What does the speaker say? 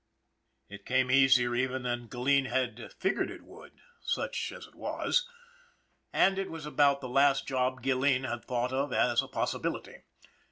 It came easier even than Gilleen had figured it THE BLOOD OF KINGS 195 would such as it was and it was about the last job Gilleen had thought of as a possibility.